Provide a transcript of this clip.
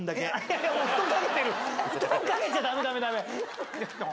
布団掛けちゃダメダメダメ。